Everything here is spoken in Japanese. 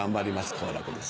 好楽です